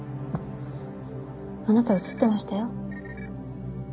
あなた映ってましたよ。